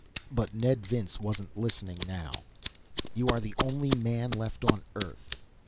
But Ned Vince wasn't listening, now. "You are the only man left on Earth."